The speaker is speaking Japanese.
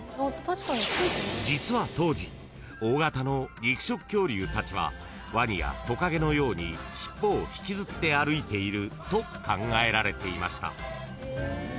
［実は当時大型の肉食恐竜たちはワニやトカゲのように尻尾を引きずって歩いていると考えられていました］